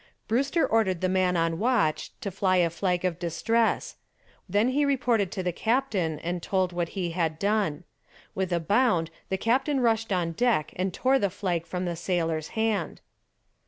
Brewster ordered the man on watch to fly a flag of distress. Then he reported to the captain and told what he had done. With a bound the captain rushed on deck and tore the flag from the sailor's hand.